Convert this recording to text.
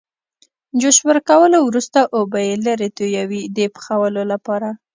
جوش ورکولو وروسته اوبه یې لرې تویوي د پخولو لپاره.